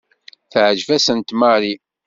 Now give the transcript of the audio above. Teɛjeb-asent Mary.